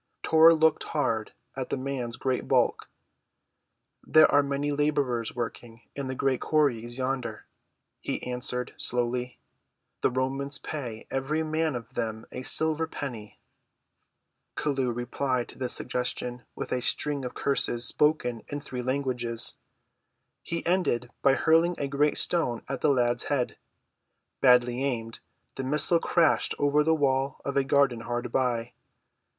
Tor looked hard at the man's great bulk. "There are many laborers working in the great quarries yonder," he answered slowly. "The Romans pay every man of them a silver penny." Chelluh replied to this suggestion with a string of curses spoken in three languages. He ended by hurling a great stone at the lad's head. Badly aimed, the missile crashed over the wall of a garden hard by.